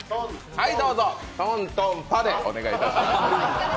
はい、どうぞ、トン・トン・パッでお願いいたします。